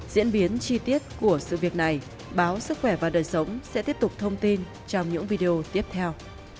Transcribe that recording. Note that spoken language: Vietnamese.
diễn biến chi tiết của sự việc này báo sức khỏe và đời sống sẽ tiếp tục thông tin trong những video tiếp theo